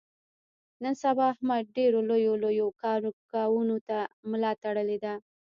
نن سبا احمد ډېرو لویو لویو کاونو ته ملا تړلې ده.